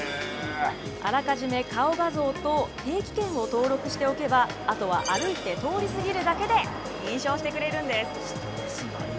あらかじめ顔画像と定期券を登録しておけば、あとは歩いて通り過ぎるだけで認証してくれるんです。